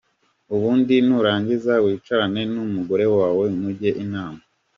Ubundi nurangiza wicarane n'umugore wawe mujye inama.